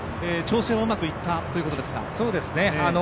調整はうまくいったということですか？